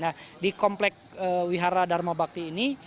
nah di komplek wihara dharma bakti ini